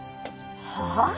はあ？